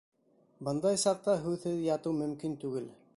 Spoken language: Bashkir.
Бындай саҡта һүҙһеҙ ятыу мөмкин түгел.